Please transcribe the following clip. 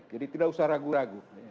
tidak usah ragu ragu